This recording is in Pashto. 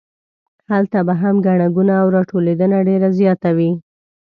هلته به هم ګڼه ګوڼه او راټولېدنه ډېره زیاته وي.